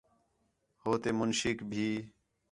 ہو تے منشیک بھی